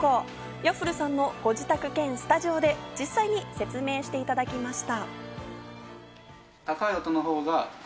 Ｙａｆｆｌｅさんのご自宅兼スタジオで実際に説明していただきました。